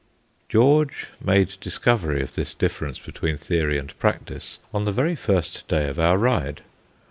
George made discovery of this difference between theory and practice on the very first day of our ride.